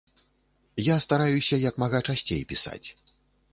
Я стараюся як мага часцей пісаць.